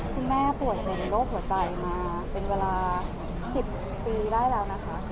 คุณแม่ป่วยเป็นโรคหัวใจมาเป็นเวลา๑๐ปีได้แล้วนะคะ